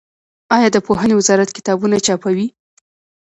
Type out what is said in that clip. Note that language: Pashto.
آیا د پوهنې وزارت کتابونه چاپوي؟